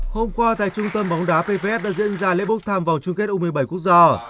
hôm qua tại trung tâm bóng đá pvs đã diễn ra lễ bốc thăm vào chung kết u một mươi bảy quốc gia